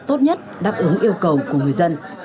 tốt nhất đáp ứng yêu cầu của người dân